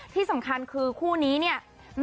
ที่สำคัญคือคู่นี้เนี่ย